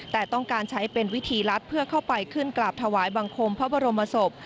แต่ต้องการใช้เป็นวิธีรัฐเพื่อเข้าไปขึ้นกราบถวายบังคมพระบรมศพ